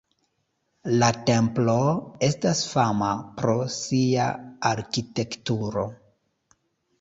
La templo estas fama pro sia arkitekturo.